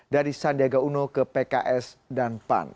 dari sandiaga uno ke pks dan pan